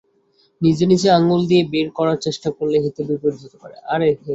নিজে নিজে আঙুল দিয়ে বের করার চেষ্টা করলে হিতে বিপরীত হতে পারে।